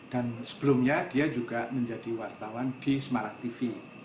sebelumnya dia juga menjadi wartawan di semarang tv